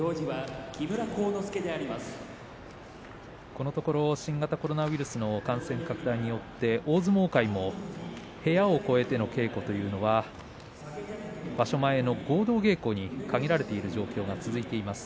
このところ新型コロナウイルスの感染拡大によって、大相撲会も部屋を超えての稽古というのは場所前の合同稽古に限られている状況が続いています。